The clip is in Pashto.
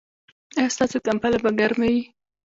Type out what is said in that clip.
ایا ستاسو کمپله به ګرمه وي؟